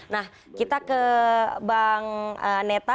nah kita ke bang neta